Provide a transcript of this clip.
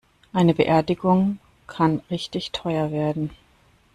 Eine Beerdigung kann richtig teuer werden.